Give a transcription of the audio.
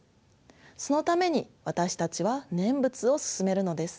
そのために私たちは「念仏」を勧めるのです。